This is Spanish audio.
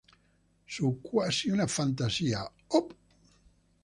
Su "Quasi una fantasía..." Op.